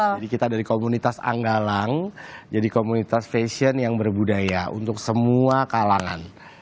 jadi kita dari komunitas anggalang jadi komunitas fashion yang berbudaya untuk semua kalangan